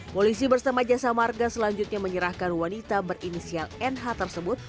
polisi bersama jasa marga selanjutnya menyerahkan wanita berinisial nh tersebut